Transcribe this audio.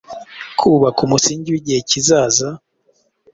Kubaka umusingi wigihe kizaza,